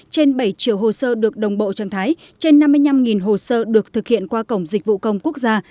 trên bảy triệu hồ sơ được đồng bộ trang thái trên năm mươi năm hồ sơ được thực hiện qua cổng dịch vụ công quốc gia